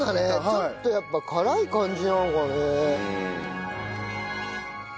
ちょっとやっぱ辛い感じなのかね？